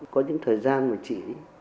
có những thời gian mà chị